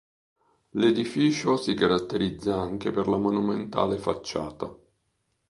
L'edificio si caratterizza anche per la monumentale facciata.